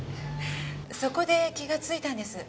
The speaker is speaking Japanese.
そこで気がついたんです。